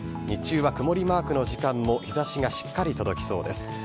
日中は曇りマークの時間も日ざしがしっかり届きそうです。